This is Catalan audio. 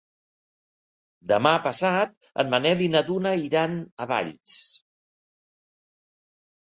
Demà passat en Manel i na Duna iran a Valls.